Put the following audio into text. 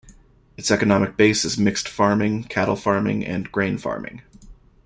Its economic base is mixed farming, cattle farming, and grain farming.